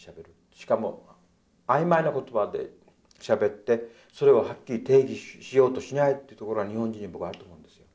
しかもあいまいな言葉でしゃべってそれをはっきり定義しようとしないってところは日本人僕あると思うんです。